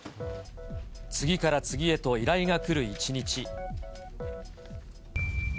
次から次へと依頼がくる一日。